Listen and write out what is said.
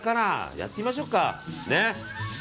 やってみましょうか。